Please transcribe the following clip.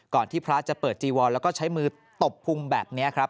ที่พระจะเปิดจีวอนแล้วก็ใช้มือตบพุงแบบนี้ครับ